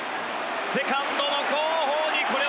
セカンドの後方にこれは落ちる。